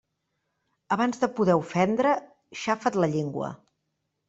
Abans de poder ofendre, xafa't la llengua.